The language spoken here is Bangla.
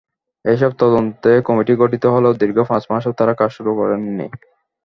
এসব তদন্তে কমিটি গঠিত হলেও দীর্ঘ পাঁচ মাসেও তারা কাজ শুরু করেনি।